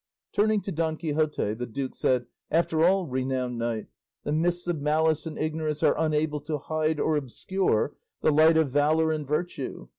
Turning to Don Quixote, the duke said, "After all, renowned knight, the mists of malice and ignorance are unable to hide or obscure the light of valour and virtue.